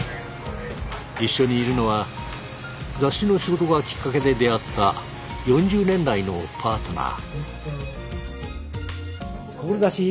一緒にいるのは雑誌の仕事がきっかけで出会った４０年来のパートナー。